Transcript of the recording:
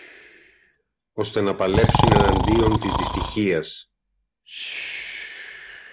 ώστε να παλέψουν εναντίον της δυστυχίας